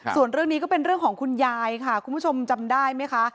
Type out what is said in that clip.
ส่วนเรื่องนี้ก็เป็นเรื่องของคุณยายค่ะคุณผู้ชมจำได้ไหมคะ